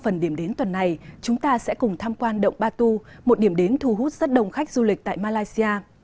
hôm nay chúng ta sẽ cùng tham quan động batu một điểm đến thu hút rất đông khách du lịch tại malaysia